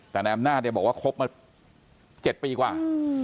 แต่นายอำนาจเนี่ยบอกว่าคบมา๗ปีกว่า